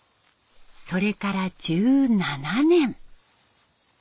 それから１７年。